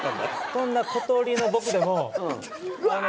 そんな小鳥の僕でも。